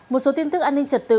một số tin tức an ninh trật tự